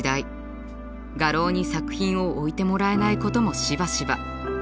画廊に作品を置いてもらえないこともしばしば。